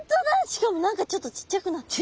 しかも何かちょっとちっちゃくなった。